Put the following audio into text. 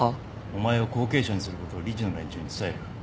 お前を後継者にすることを理事の連中に伝える。